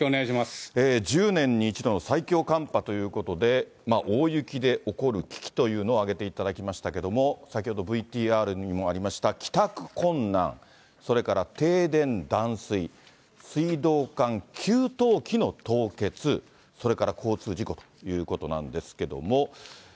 １０年に一度の最強寒波ということで、大雪で起こる危機というのを挙げていただきましたけれども、先ほどＶＴＲにもありました帰宅困難、それから停電・断水、水道管・給湯器の凍結、それから交通事故ということなんですけども。